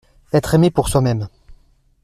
Etre aimé pour soi-même…